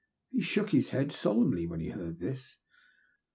He shook his head solemnly when he heard this.